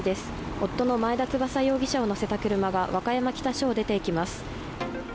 夫の前田翼容疑者を乗せた車が和歌山北署を出て行きます。